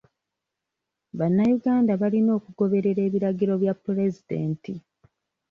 Bannayuganda balina okugoberera ebiragiro bya pulezidenti.